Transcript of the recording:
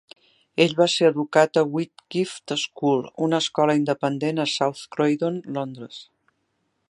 Ell va ser educat a Whitgift School, una escola independent a South Croydon, Londres.